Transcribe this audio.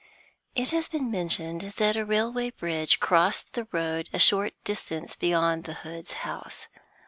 It has been mentioned that a railway bridge crossed the road a short distance beyond the Hoods' house.